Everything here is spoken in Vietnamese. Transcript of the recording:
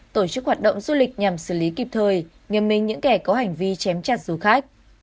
tổ chức hoạt động du lịch nhằm xử lý kịp thời nghiêm minh những kẻ có hành vi chém chặt du khách